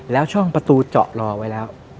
แล้วช่องประตูเจาะรอไว้แล้ว